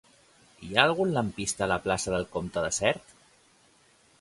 Hi ha algun lampista a la plaça del Comte de Sert?